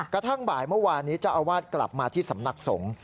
กระทั่งบ่ายเมื่อวานนี้เจ้าอาวาสกลับมาที่สำนักสงฆ์